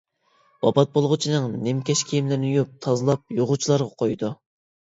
ۋاپات بولغۇچىنىڭ نىمكەش كىيىملىرىنى يۇيۇپ تازىلاپ، يۇغۇچىلارغا قۇيىدۇ.